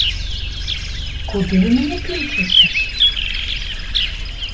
Куды вы мяне клічаце?